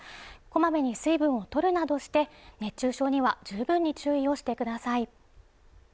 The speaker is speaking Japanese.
こまめに水分をとるなどして熱中症には十分に注意をしてください